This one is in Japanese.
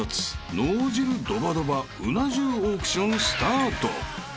［脳汁ドバドバうな重オークションスタート］